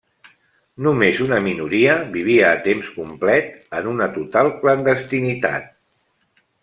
Només una minoria vivia a temps complet en una total clandestinitat.